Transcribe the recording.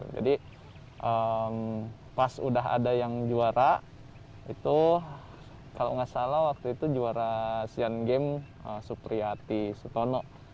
jadi pas sudah ada yang juara itu kalau nggak salah waktu itu juara asian games supriyati sutono